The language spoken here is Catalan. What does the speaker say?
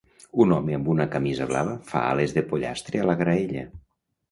Un home amb una camisa blava fa ales de pollastre a la graella.